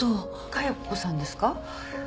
加代子さんですか？